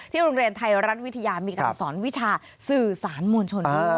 โรงเรียนไทยรัฐวิทยามีการสอนวิชาสื่อสารมวลชนด้วย